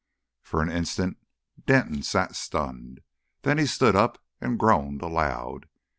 For an instant Denton sat stunned. Then he stood up and groaned aloud.